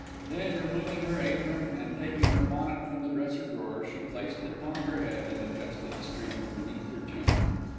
Then, removing her apron and taking her bonnet from the dresser drawer, she placed it upon her head and adjusted the strings beneath her chin.